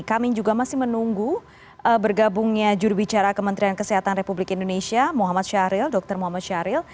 kami juga masih menunggu bergabungnya jurubicara kementerian kesehatan republik indonesia muhammad syahril dr muhammad syahril